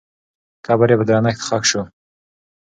قبر یې په درنښت ښخ سو.